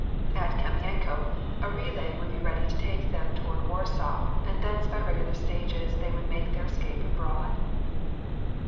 At Kamienko a relay would be ready to take them toward War saw, and thence by regular stages they would make their escape abroad.